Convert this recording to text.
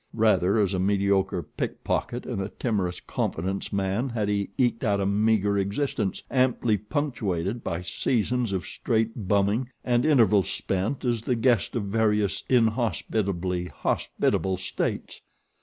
Rather as a mediocre pickpocket and a timorous confidence man had he eked out a meager existence, amply punctuated by seasons of straight bumming and intervals spent as the guest of various inhospitably hospitable states.